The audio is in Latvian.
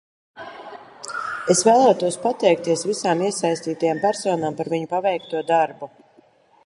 Es vēlētos pateikties visām iesaistītajām personām par viņu paveikto darbu.